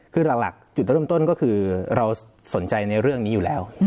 คือหลักจุดเริ่มต้นก็คือเราสนใจในเรื่องนี้อยู่แล้ว